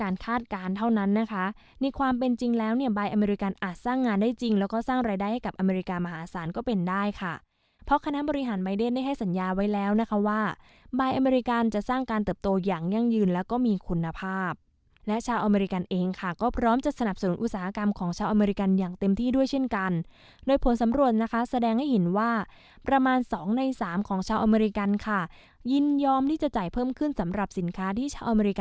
แล้วไว้แล้วนะคะว่าบายอเมริกันจะสร้างการเติบโตอย่างยั่งยืนแล้วก็มีคุณภาพและชาวอเมริกันเองค่ะก็พร้อมจะสนับสนุนอุตสาหกรรมของชาวอเมริกันอย่างเต็มที่ด้วยเช่นกันโดยผลสำรวจนะคะแสดงให้เห็นว่าประมาณสองในสามของชาวอเมริกันค่ะยินยอมที่จะจ่ายเพิ่มขึ้นสำหรับสินค้าที่ช